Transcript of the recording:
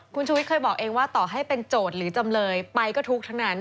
คุณชูวิทย์เคยบอกเองว่าต่อให้เป็นโจทย์หรือจำเลยไปก็ทุกข์ทั้งนั้น